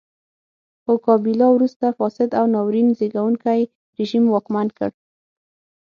خو کابیلا وروسته فاسد او ناورین زېږوونکی رژیم واکمن کړ.